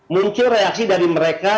muncul reaksi dari mereka